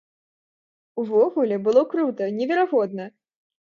Увогуле, было крута, неверагодна!